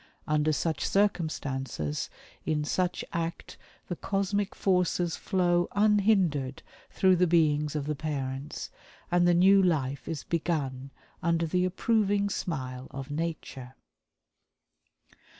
Under such circumstances, in such act the Cosmic Forces flow unhindered through the beings of the parents, and the new life is begun under the approving smile of Nature.